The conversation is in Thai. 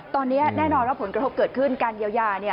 ตอนนี้แน่นอนว่าผลกระทบเกิดขึ้นการเยียวยาเนี่ย